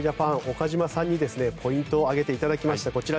岡島さんにポイントを挙げていただきました。